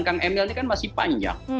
kang emil ini kan masih panjang